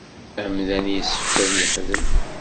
Amdan yessefk ad yexdem.